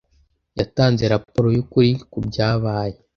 Yatanze raporo yukuri kubyabaye.